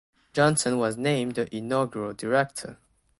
Johnson was named the inaugural Director.